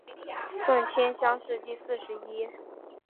顺天乡试第四十一名。